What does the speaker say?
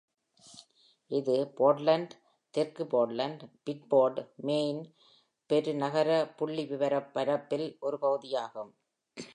இது போர்ட்லண்ட்-தெற்கு போர்ட்லண்ட்-பிட்போர்டு, மேய்ன், பெருநகர புள்ளிவிவரப் பரப்பில் ஒரு பகுதியாகும்.